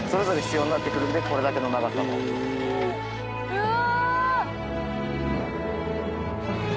うわ！